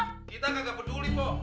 kita kagak peduli pok